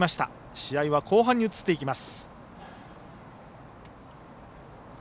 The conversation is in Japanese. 試合は後半に移っていきます。